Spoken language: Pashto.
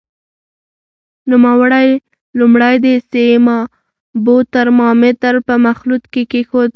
نوموړی لومړی د سیمابو ترمامتر په مخلوط کې کېښود.